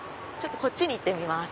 こっちに行ってみます。